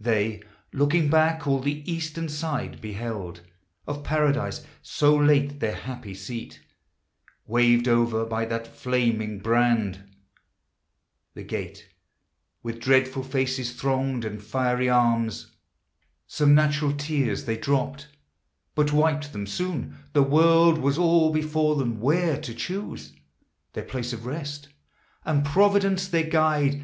They, looking back, all the eastern side beheld Of Paradise, so late their happy seat, Waved over by that flaming brand; the gate With dreadful faces thronged and fiery arms. l\ —18 274 THE HIGHER LIFE. Some natural tears they dropt, but wiped them soon; The world was all before them, where to choose Their place of rest, and Providence their guide.